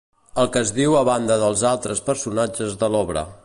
El que es diu a banda dels altres personatges de l'obra.